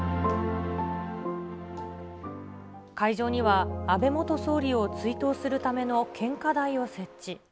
会場には、安倍元総理を追悼するための献花台を設置。